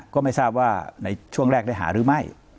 ก็ไม่ทราบว่าในช่วงแรกได้หาหรือไม่